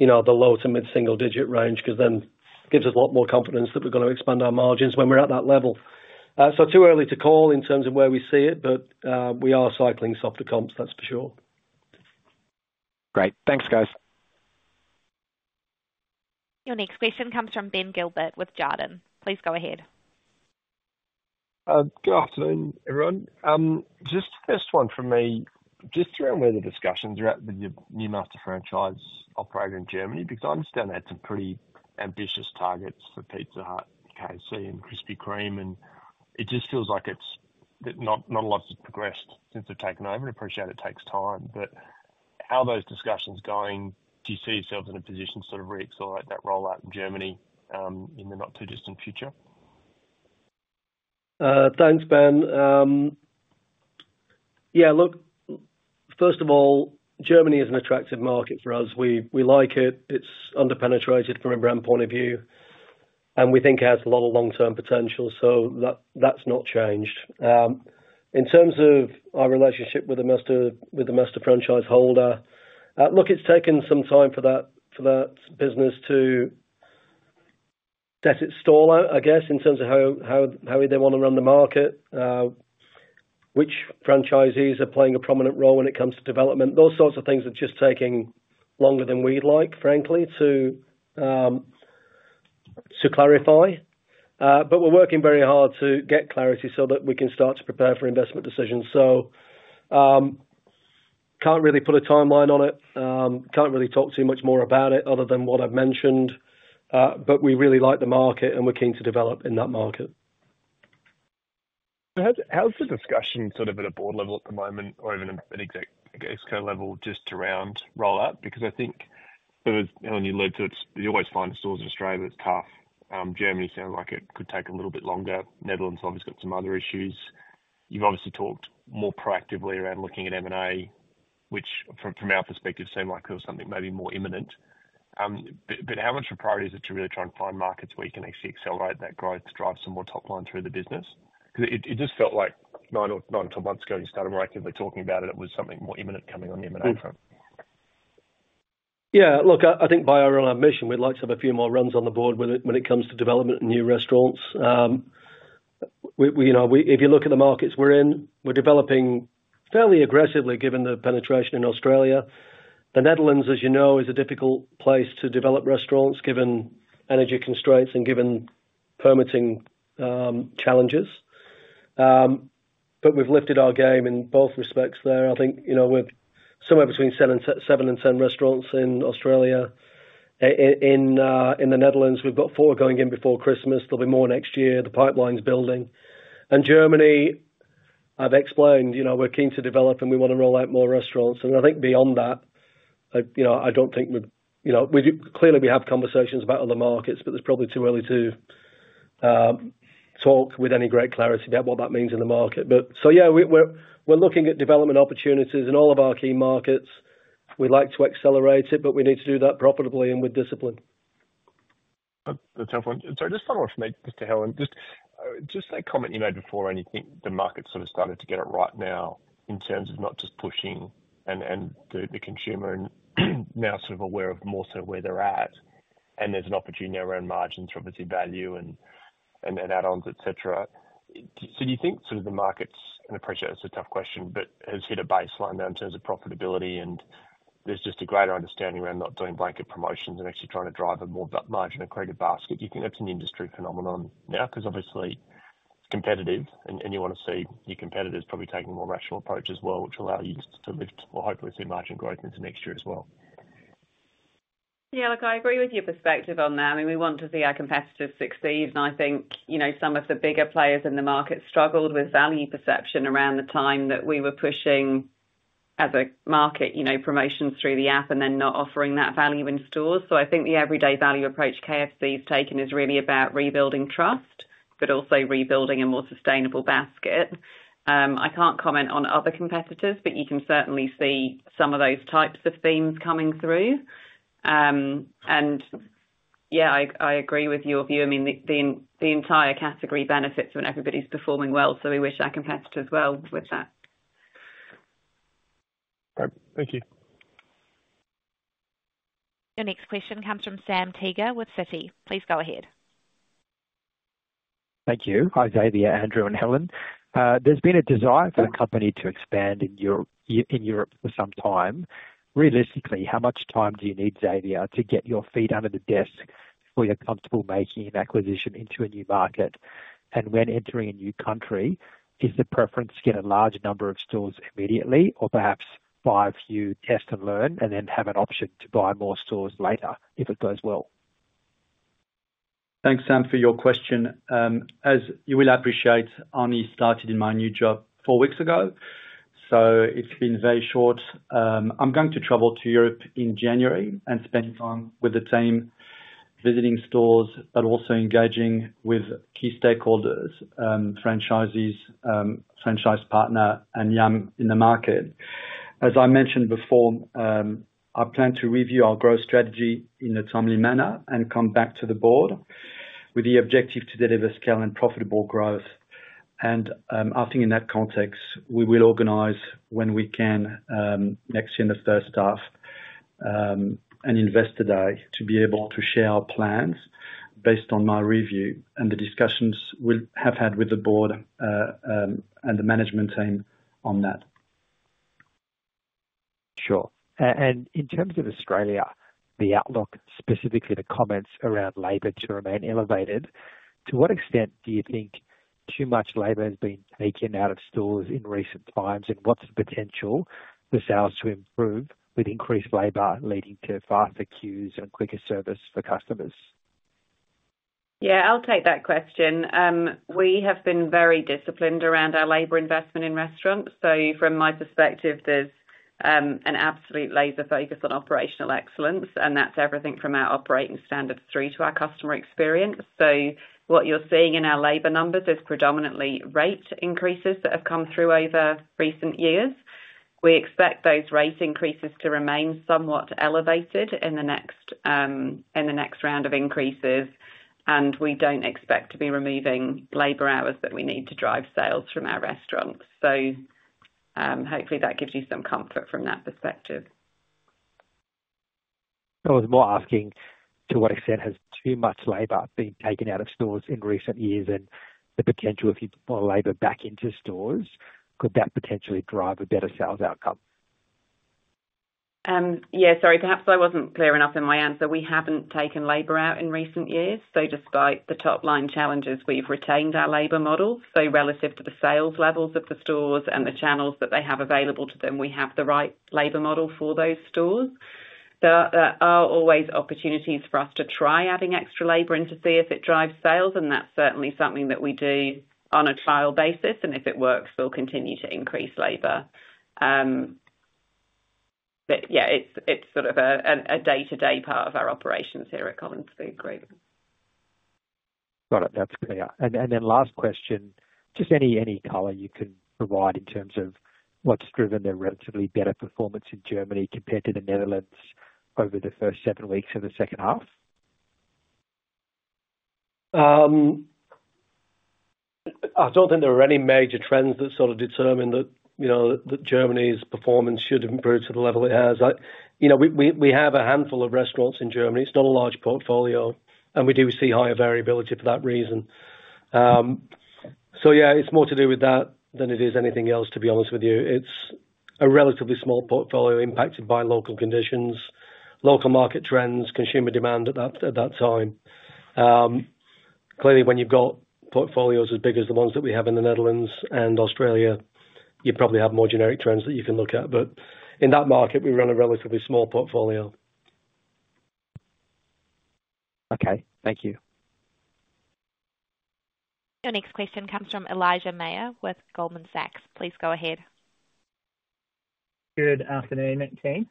low to mid-single-digit range because then it gives us a lot more confidence that we're going to expand our margins when we're at that level. So too early to call in terms of where we see it, but we are cycling softer comps, that's for sure. Great. Thanks, guys. Your next question comes from Ben Gilbert with Jarden. Please go ahead. Good afternoon, everyone. Just first one from me, just around where the discussions are at with your new master franchise operating in Germany, because I understand they had some pretty ambitious targets for Pizza Hut, KFC, and Krispy Kreme, and it just feels like not a lot has progressed since they've taken over. I appreciate it takes time, but how are those discussions going? Do you see yourselves in a position to sort of re-accelerate that rollout in Germany in the not-too-distant future? Thanks, Ben. Yeah. Look, first of all, Germany is an attractive market for us. We like it. It's under-penetrated from a brand point of view, and we think it has a lot of long-term potential. So that's not changed. In terms of our relationship with the master franchise holder, look, it's taken some time for that business to set its stall out, I guess, in terms of how they want to run the market, which franchisees are playing a prominent role when it comes to development. Those sorts of things are just taking longer than we'd like, frankly, to clarify. But we're working very hard to get clarity so that we can start to prepare for investment decisions. So can't really put a timeline on it. Can't really talk too much more about it other than what I've mentioned. But we really like the market, and we're keen to develop in that market. How's the discussion sort of at a board level at the moment or even at an executive level just around rollout? Because I think, as Helen you alluded to, you always find stores in Australia that it's tough. Germany sounds like it could take a little bit longer. Netherlands obviously got some other issues. You've obviously talked more proactively around looking at M&A, which from our perspective seemed like it was something maybe more imminent. But how much of a priority is it to really try and find markets where you can actually accelerate that growth, drive some more top line through the business? Because it just felt like nine or 12 months ago you started more actively talking about it. It was something more imminent coming on the M&A front. Yeah. Look, I think by our own admission, we'd like to have a few more runs on the board when it comes to development and new restaurants. If you look at the markets we're in, we're developing fairly aggressively given the penetration in Australia. The Netherlands, as you know, is a difficult place to develop restaurants given energy constraints and given permitting challenges. But we've lifted our game in both respects there. I think we're somewhere between seven and ten restaurants in Australia. In the Netherlands, we've got four going in before Christmas. There'll be more next year. The pipeline's building, and Germany, I've explained, we're keen to develop, and we want to roll out more restaurants. I think beyond that, I don't think we've clearly. We have conversations about other markets, but it's probably too early to talk with any great clarity about what that means in the market. So yeah, we're looking at development opportunities in all of our key markets. We'd like to accelerate it, but we need to do that properly and with discipline. That's helpful. Sorry, just follow-up from me, Helen. Just that comment you made before, and you think the market's sort of started to get it right now in terms of not just pushing and the consumer now sort of aware of more so where they're at, and there's an opportunity around margins for obviously value and add-ons, etc. So do you think sort of the market's, and I appreciate it's a tough question, but has hit a baseline now in terms of profitability, and there's just a greater understanding around not doing blanket promotions and actually trying to drive a more margin-accretive basket? Do you think that's an industry phenomenon now? Because obviously, it's competitive, and you want to see your competitors probably taking a more rational approach as well, which will allow you to lift or hopefully see margin growth into next year as well. Yeah. Look, I agree with your perspective on that. I mean, we want to see our competitors succeed. And I think some of the bigger players in the market struggled with value perception around the time that we were pushing our market promotions through the app and then not offering that value in stores. So I think the everyday value approach KFC's taken is really about rebuilding trust, but also rebuilding a more sustainable basket. I can't comment on other competitors, but you can certainly see some of those types of themes coming through. And yeah, I agree with your view. I mean, the entire category benefits when everybody's performing well, so we wish our competitors well with that. Thank you. Your next question comes from Sam Teeger with Citi. Please go ahead. Thank you. Hi, Xavier, Andrew, and Helen. There's been a desire for the company to expand in Europe for some time. Realistically, how much time do you need, Xavier, to get your feet under the desk before you're comfortable making an acquisition into a new market? When entering a new country, is the preference to get a large number of stores immediately or perhaps buy a few, test and learn, and then have an option to buy more stores later if it goes well? Thanks, Sam, for your question. As you will appreciate, I only started in my new job four weeks ago, so it's been very short. I'm going to travel to Europe in January and spend time with the team, visiting stores, but also engaging with key stakeholders, franchisees, franchise partner, and Yum! in the market. As I mentioned before, I plan to review our growth strategy in a timely manner and come back to the board with the objective to deliver scale and profitable growth. And I think in that context, we will organize when we can next year in the first half an investor day to be able to share our plans based on my review and the discussions we have had with the board and the management team on that. Sure. And in terms of Australia, the outlook, specifically the comments around labor to remain elevated, to what extent do you think too much labor has been taken out of stores in recent times, and what's the potential for sales to improve with increased labor leading to faster queues and quicker service for customers? Yeah. I'll take that question. We have been very disciplined around our labor investment in restaurants. So from my perspective, there's an absolute laser focus on operational excellence, and that's everything from our operating standards through to our customer experience. So what you're seeing in our labor numbers is predominantly rate increases that have come through over recent years. We expect those rate increases to remain somewhat elevated in the next round of increases, and we don't expect to be removing labor hours that we need to drive sales from our restaurants. So hopefully, that gives you some comfort from that perspective. I was more asking to what extent has too much labor been taken out of stores in recent years and the potential if you put labor back into stores, could that potentially drive a better sales outcome? Yeah. Sorry. Perhaps I wasn't clear enough in my answer. We haven't taken labor out in recent years. So despite the top-line challenges, we've retained our labor model. So relative to the sales levels of the stores and the channels that they have available to them, we have the right labor model for those stores. There are always opportunities for us to try adding extra labor and to see if it drives sales, and that's certainly something that we do on a trial basis. And if it works, we'll continue to increase labor. But yeah, it's sort of a day-to-day part of our operations here at Collins Foods. Got it. That's clear. And then last question, just any color you can provide in terms of what's driven their relatively better performance in Germany compared to the Netherlands over the first seven weeks of the second half? I don't think there are any major trends that sort of determine that Germany's performance should improve to the level it has. We have a handful of restaurants in Germany. It's not a large portfolio, and we do see higher variability for that reason. So yeah, it's more to do with that than it is anything else, to be honest with you. It's a relatively small portfolio impacted by local conditions, local market trends, consumer demand at that time. Clearly, when you've got portfolios as big as the ones that we have in the Netherlands and Australia, you probably have more generic trends that you can look at. But in that market, we run a relatively small portfolio. Okay. Thank you. Your next question comes from Elijah Mayr with Goldman Sachs. Please go ahead. Good afternoon, team.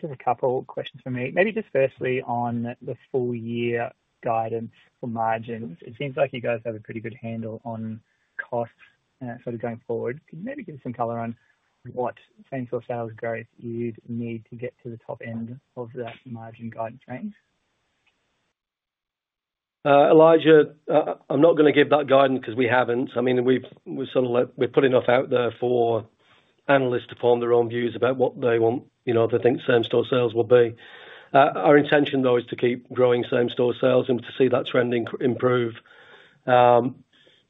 Just a couple of questions for me. Maybe just firstly on the full-year guidance for margins. It seems like you guys have a pretty good handle on costs sort of going forward. Could you maybe give us some color on what same-store sales growth you'd need to get to the top end of that margin guidance range? Elijah, I'm not going to give that guidance because we haven't. I mean, we've sort of laid out there for analysts to form their own views about what they want to think same-store sales will be. Our intention, though, is to keep growing same-store sales and to see that trend improve.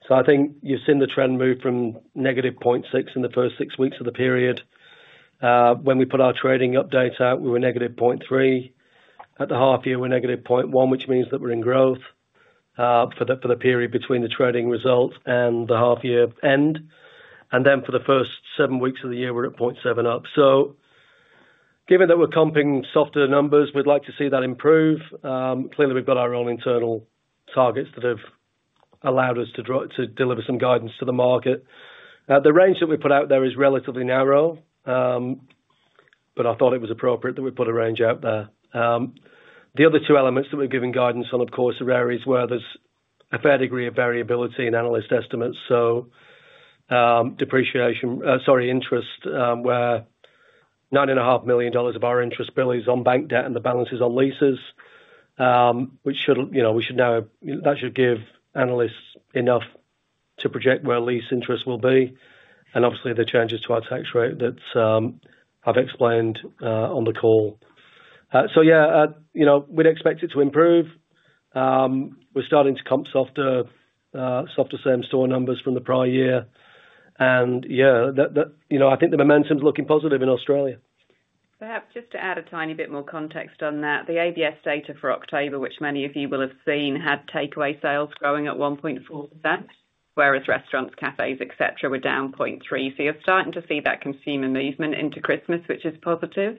So I think you've seen the trend move from -0.6% in the first six weeks of the period. When we put our trading update out, we were -0.3%. At the half-year, we're -0.1%, which means that we're in growth for the period between the trading results and the half-year end. And then for the first seven weeks of the year, we're at 0.7% up. So given that we're comping softer numbers, we'd like to see that improve. Clearly, we've got our own internal targets that have allowed us to deliver some guidance to the market. The range that we put out there is relatively narrow, but I thought it was appropriate that we put a range out there. The other two elements that we're giving guidance on, of course, are areas where there's a fair degree of variability in analyst estimates. So depreciation, sorry, interest, where 9.5 million dollars of our interest bill is on bank debt and the balance is on leases, which should, that should give analysts enough to project where lease interest will be. And obviously, the changes to our tax rate that I've explained on the call. So yeah, we'd expect it to improve. We're starting to comp softer same-store numbers from the prior year. Yeah, I think the momentum's looking positive in Australia. Perhaps just to add a tiny bit more context on that, the ABS data for October, which many of you will have seen, had takeaway sales growing at 1.4%, whereas restaurants, cafés, etc., were down 0.3%. You're starting to see that consumer movement into Christmas, which is positive.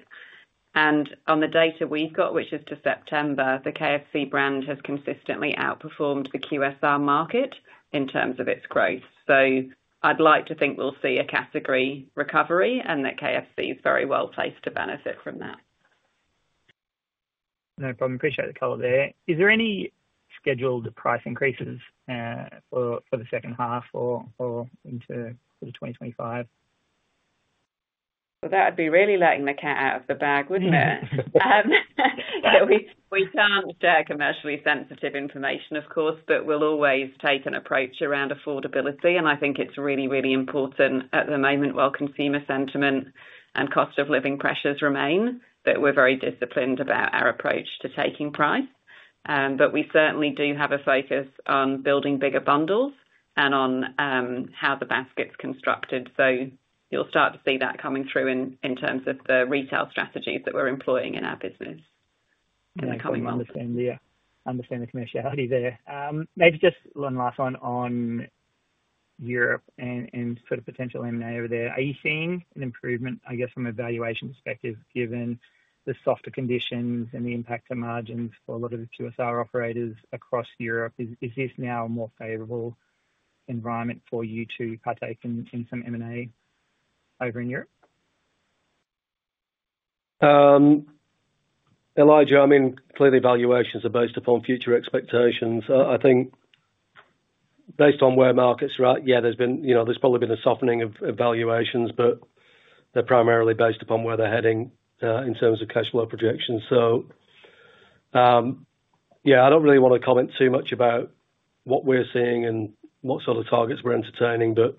On the data we've got, which is to September, the KFC brand has consistently outperformed the QSR market in terms of its growth. I'd like to think we'll see a category recovery, and the KFC is very well placed to benefit from that. No problem. Appreciate the color there. Is there any scheduled price increases for the second half or into 2025? Well, that would be really letting the cat out of the bag, wouldn't it? We can't share commercially sensitive information, of course, but we'll always take an approach around affordability. And I think it's really, really important at the moment while consumer sentiment and cost-of-living pressures remain that we're very disciplined about our approach to taking price. But we certainly do have a focus on building bigger bundles and on how the basket's constructed. So you'll start to see that coming through in terms of the retail strategies that we're employing in our business in the coming months. Understand the commerciality there. Maybe just one last one on Europe and sort of potential M&A over there. Are you seeing an improvement, I guess, from a valuation perspective given the softer conditions and the impact on margins for a lot of the QSR operators across Europe? Is this now a more favorable environment for you to partake in some M&A over in Europe? Elijah, I mean, clearly, valuations are based upon future expectations. I think based on where markets are at, yeah, there's probably been a softening of valuations, but they're primarily based upon where they're heading in terms of cash flow projections. So yeah, I don't really want to comment too much about what we're seeing and what sort of targets we're entertaining. But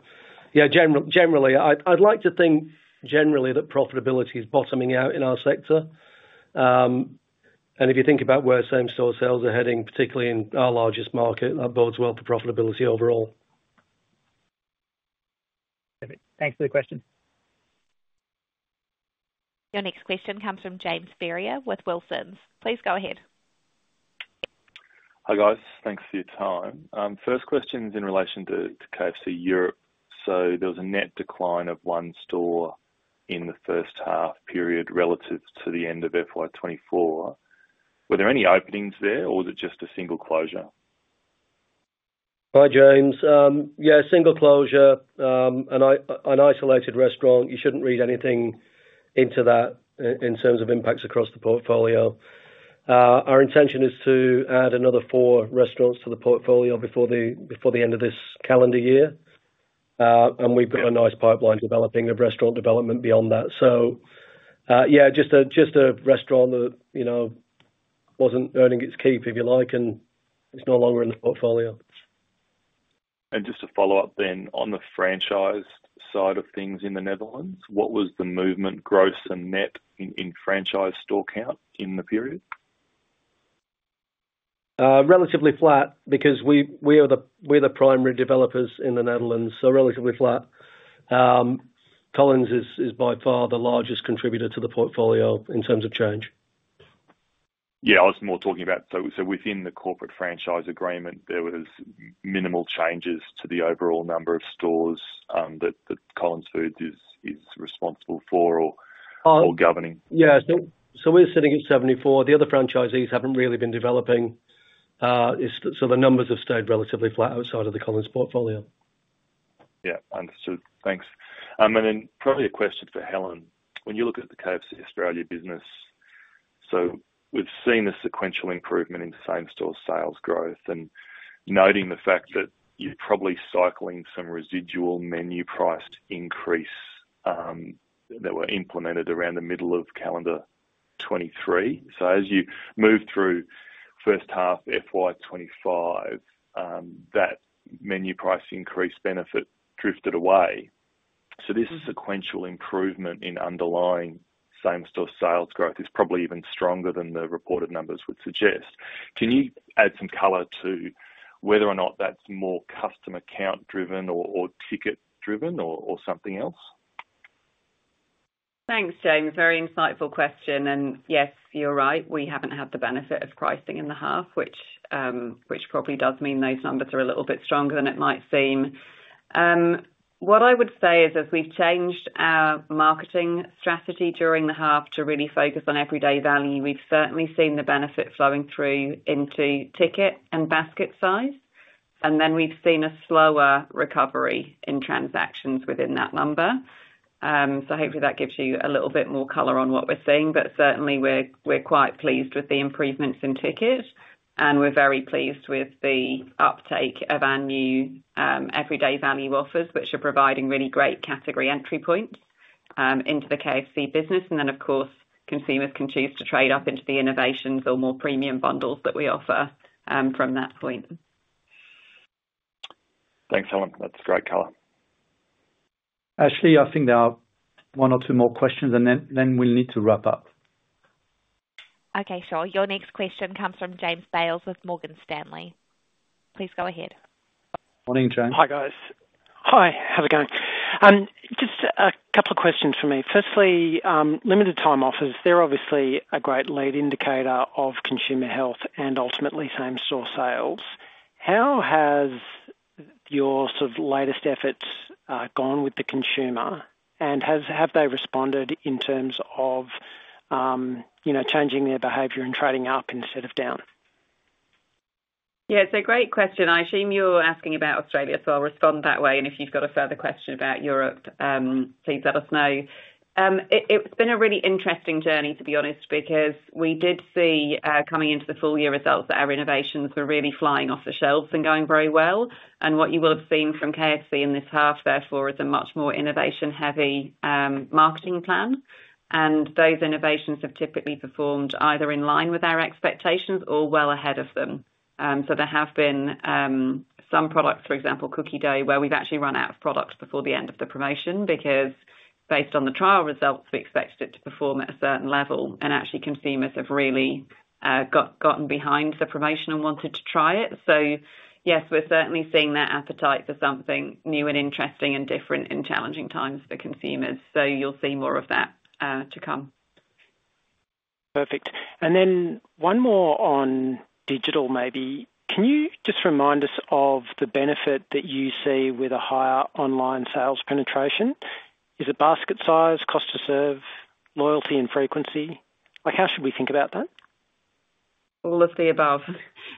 yeah, generally, I'd like to think generally that profitability is bottoming out in our sector, and if you think about where same-store sales are heading, particularly in our largest market, that bodes well for profitability overall. Perfect. Thanks for answering the question. Your next question comes from James Ferrier with Wilsons. Please go ahead. Hi, guys. Thanks for your time. First question is in relation to KFC Europe. So there was a net decline of one store in the first half period relative to the end of FY 2024. Were there any openings there, or was it just a single closure? Hi, James. Yeah, single closure and an isolated restaurant. You shouldn't read anything into that in terms of impacts across the portfolio. Our intention is to add another four restaurants to the portfolio before the end of this calendar year, and we've got a nice pipeline developing of restaurant development beyond that, so yeah, just a restaurant that wasn't earning its keep, if you like, and it's no longer in the portfolio. And just to follow up then on the franchise side of things in the Netherlands, what was the movement, gross, and net in franchise store count in the period? Relatively flat because we're the primary developers in the Netherlands, so relatively flat. Collins is by far the largest contributor to the portfolio in terms of change. Yeah, I was more talking about so within the corporate franchise agreement, there were minimal changes to the overall number of stores that Collins Foods is responsible for or governing. Yeah. So we're sitting at 74. The other franchisees haven't really been developing. So the numbers have stayed relatively flat outside of the Collins portfolio. Yeah. Understood. Thanks. And then probably a question for Helen. When you look at the KFC Australia business, so we've seen a sequential improvement in same-store sales growth, and noting the fact that you're probably cycling some residual menu price increase that were implemented around the middle of calendar 2023. So as you move through first half FY 2025, that menu price increase benefit drifted away. So this sequential improvement in underlying same-store sales growth is probably even stronger than the reported numbers would suggest. Can you add some color to whether or not that's more customer count-driven or ticket-driven or something else? Thanks, James. Very insightful question, and yes, you're right. We haven't had the benefit of pricing in the half, which probably does mean those numbers are a little bit stronger than it might seem. What I would say is, as we've changed our marketing strategy during the half to really focus on everyday value, we've certainly seen the benefit flowing through into ticket and basket size, and then we've seen a slower recovery in transactions within that number, so hopefully, that gives you a little bit more color on what we're seeing, but certainly, we're quite pleased with the improvements in tickets, and we're very pleased with the uptake of our new everyday value offers, which are providing really great category entry points into the KFC business. And then, of course, consumers can choose to trade up into the innovations or more premium bundles that we offer from that point. Thanks, Helen. That's great color. Actually, I think there are one or two more questions, and then we'll need to wrap up. Okay. Sure. Your next question comes from James Bales with Morgan Stanley. Please go ahead. Morning, James. Hi, guys. Just a couple of questions for me. Firstly, limited time offers, they're obviously a great lead indicator of consumer health and ultimately same-store sales. How has your sort of latest efforts gone with the consumer, and have they responded in terms of changing their behavior and trading up instead of down? Yeah. It's a great question. I assume you're asking about Australia as well. Respond that way. And if you've got a further question about Europe, please let us know. It's been a really interesting journey, to be honest, because we did see coming into the full-year results that our innovations were really flying off the shelves and going very well, and what you will have seen from KFC in this half, therefore, is a much more innovation-heavy marketing plan. And those innovations have typically performed either in line with our expectations or well ahead of them, so there have been some products, for example, Cookie Dough, where we've actually run out of product before the end of the promotion because, based on the trial results, we expected it to perform at a certain level. And actually, consumers have really gotten behind the promotion and wanted to try it, so yes, we're certainly seeing that appetite for something new and interesting and different in challenging times for consumers, so you'll see more of that to come. Perfect. And then one more on digital, maybe. Can you just remind us of the benefit that you see with a higher online sales penetration? Is it basket size, cost to serve, loyalty, and frequency? How should we think about that? All of the above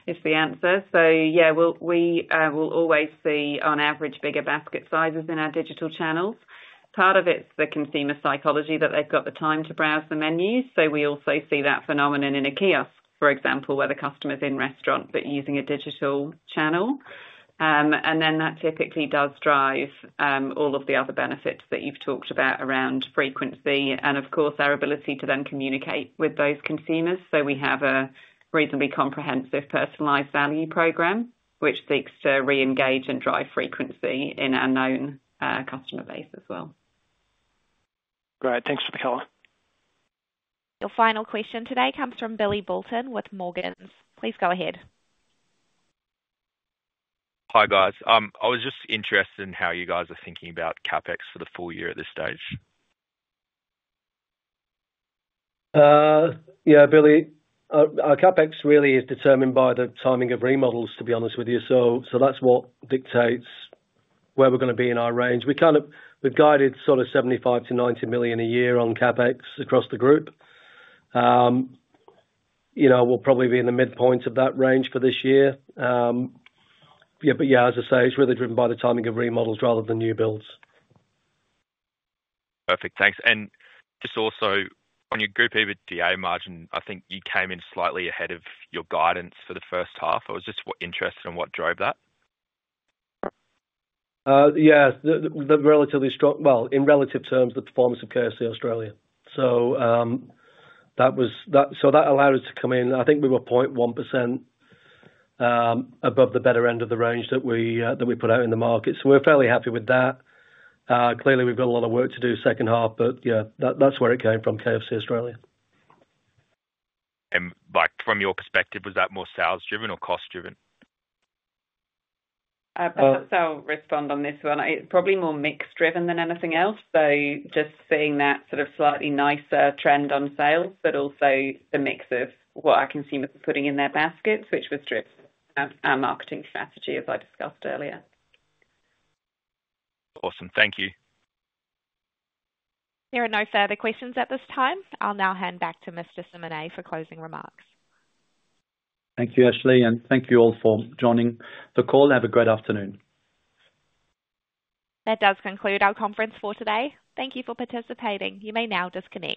is the answer. So yeah, we'll always see, on average, bigger basket sizes in our digital channels. Part of it's the consumer psychology that they've got the time to browse the menus. So we also see that phenomenon in a kiosk, for example, where the customer's in restaurant but using a digital channel. And then that typically does drive all of the other benefits that you've talked about around frequency and, of course, our ability to then communicate with those consumers. So we have a reasonably comprehensive personalized value program, which seeks to re-engage and drive frequency in our known customer base as well. Great. Thanks for the color. Your final question today comes from Billy Boulton with Morgans. Please go ahead. Hi, guys. I was just interested in how you guys are thinking about CapEx for the full year at this stage. Yeah, Billy, our CapEx really is determined by the timing of remodels, to be honest with you. So that's what dictates where we're going to be in our range. We've guided sort of 75 million-90 million a year on CapEx across the group. We'll probably be in the midpoint of that range for this year. But yeah, as I say, it's really driven by the timing of remodels rather than new builds. Perfect. Thanks. And just also, on your group EBITDA margin, I think you came in slightly ahead of your guidance for the first half. I was just interested in what drove that. Yeah. In relative terms, the performance of KFC Australia. So that allowed us to come in. I think we were 0.1% above the better end of the range that we put out in the market. So we're fairly happy with that. Clearly, we've got a lot of work to do second half, but yeah, that's where it came from, KFC Australia. And from your perspective, was that more sales-driven or cost-driven? I'll respond on this one. It's probably more mix-driven than anything else. So just seeing that sort of slightly nicer trend on sales, but also the mix of what our consumers are putting in their baskets, which was driven by our marketing strategy, as I discussed earlier. Awesome. Thank you. There are no further questions at this time. I'll now hand back to Mr. Simonet for closing remarks. Thank you, Ashley. And thank you all for joining the call. Have a great afternoon. That does conclude our conference for today. Thank you for participating. You may now disconnect.